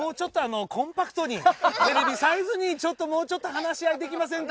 テレビサイズにもうちょっと話し合いできませんか？